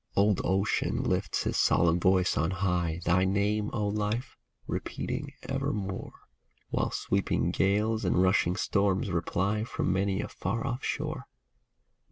Old Ocean lifts his solemn voice on high, Thy name, O Life, repeating evermore. While sweeping gales and rushing storms reply From many a far off shore.